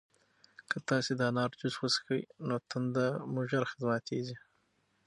که تاسي د انار جوس وڅښئ نو تنده مو ژر ماتیږي.